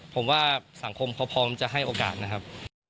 ผมว่าสังคมเขาพร้อมจะให้โอกาสนะครับ